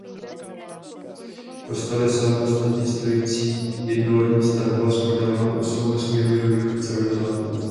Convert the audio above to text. Kostel je samostatně stojící jednolodní stavba s podélnou osou ve směru jihovýchod–severozápad.